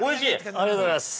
◆ありがとうございます。